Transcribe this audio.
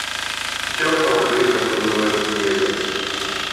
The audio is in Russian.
Все покрыто было снегом.